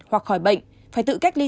hoặc khỏi bệnh phải tự cách ly